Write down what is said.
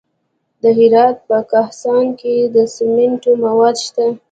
د هرات په کهسان کې د سمنټو مواد شته.